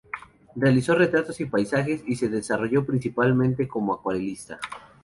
Realizó retratos y paisajes, y se desarrolló principalmente como acuarelista.